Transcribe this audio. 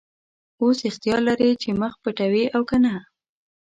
اوس اختیار لرې چې مخ پټوې او که نه.